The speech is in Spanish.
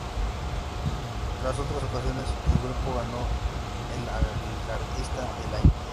Tras otras canciones, el grupo ganó el al Artista del Año.